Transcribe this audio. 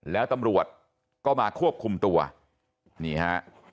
แล้วตำรวจก็มาควบคุมตัวนี่ฮะ